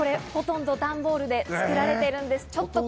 これ、ほとんど段ボールで作られてるんです。